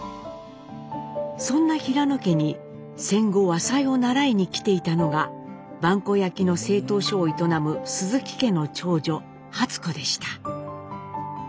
そんな平野家に戦後和裁を習いに来ていたのが萬古焼の製陶所を営む鈴木家の長女初子でした。